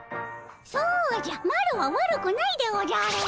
そうじゃマロは悪くないでおじゃる！